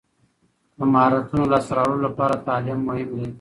د مهارتونو لاسته راوړلو لپاره تعلیم مهم دی.